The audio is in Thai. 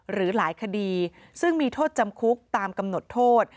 หรือหลายคดีซึ่งมีโทษจำคุกตามกำหนดโทษ